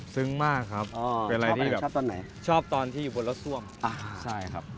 ซึ้งมากครับอ๋อเป็นอะไรที่แบบชอบตอนไหนชอบตอนที่อยู่บนรถซ่วมอ่าใช่ครับ